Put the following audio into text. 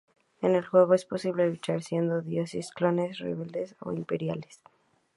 En el juego es posible luchar siendo Droides, Clones, Rebeldes o Imperiales.